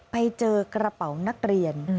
ไปเจอกระเป๋านักเรียน